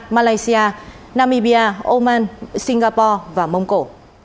malaysia namibia oman singapore và mông cổ